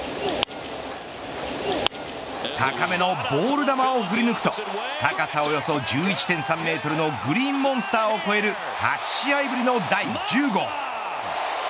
高めのボール球を振り抜くと高さおよそ１１．３メートルのグリーンモンスターを超える８試合ぶりの第１０号。